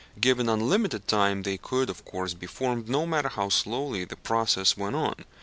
Given unlimited time, they could, of course, be formed, no matter how slowly the process went on.